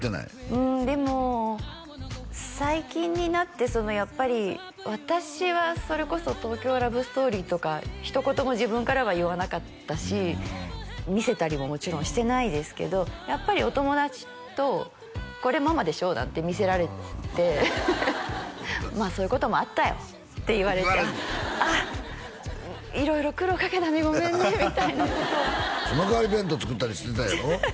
うんでも最近になってやっぱり私はそれこそ「東京ラブストーリー」とかひと言も自分からは言わなかったし見せたりももちろんしてないですけどやっぱりお友達とこれママでしょ？なんて見せられて「まあそういうこともあったよ」って言われて「あっ色々苦労かけたねごめんね」みたいなことはその代わり弁当作ったりしてたんやろ？